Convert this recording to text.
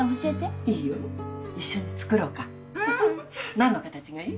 何の形がいい？